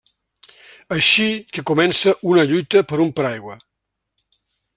Així que comença una lluita per un paraigua.